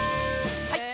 はい。